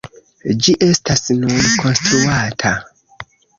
Ĝi estas nun konstruata.